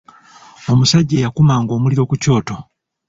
Omusajja eyakumanga omuliro ku kyoto.